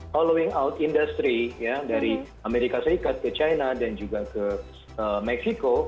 following out industry dari amerika serikat ke china dan juga ke meksiko